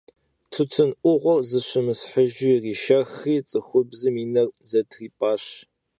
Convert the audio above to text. Tutın 'uğuer zışımıshıjju yirişşexri, ts'ıxubzım yi ner zetrip'aş.